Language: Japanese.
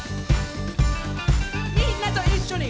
みんなと一緒に！